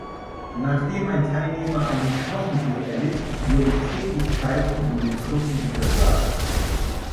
Nachdem ein Teilnehmer einen Knochenbruch erlitt, wurden Tätlichkeiten in den Gruppen untersagt.